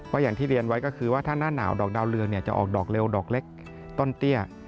อย่างที่เรียนไว้ก็คือว่าถ้าหน้าหนาวดอกดาวเรืองจะออกดอกเร็วดอกเล็กต้นเตี้ย